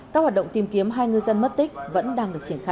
các hoạt động tìm kiếm hai ngư dân mất tích vẫn đang được triển khai